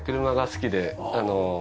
車が好きで。